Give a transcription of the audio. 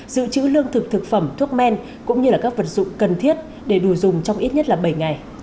giữ chữ lương thực thực phẩm thuốc men cũng như các vật dụng cần thiết để đủ dùng trong ít nhất bảy ngày